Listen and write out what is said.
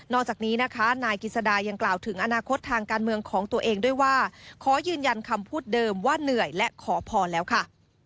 จากนี้นะคะนายกิจสดายังกล่าวถึงอนาคตทางการเมืองของตัวเองด้วยว่าขอยืนยันคำพูดเดิมว่าเหนื่อยและขอพรแล้วค่ะ